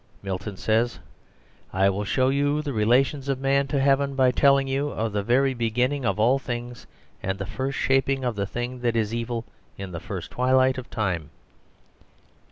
Milton says, "I will show you the relations of man to heaven by telling you of the very beginning of all things, and the first shaping of the thing that is evil in the first twilight of time."